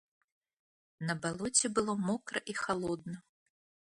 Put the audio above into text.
На балоце было мокра і халодна.